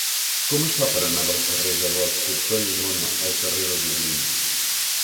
Com es fa per anar del carrer de l'Escultor Llimona al carrer de Dublín?